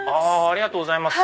ありがとうございます。